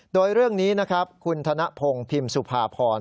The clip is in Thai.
โดยเรื่องนี้นะครับคุณธนพงศ์พิมพ์สุภาพร